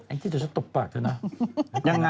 ไอ้เฒียเดี๋ยวฉันตบปากไม่ให้ว่าเจ้าน้อง